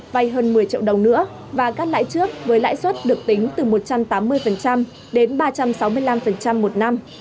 vay hơn một mươi triệu đồng nữa và cắt lãi trước với lãi suất được tính từ một trăm tám mươi đến ba trăm sáu mươi năm một năm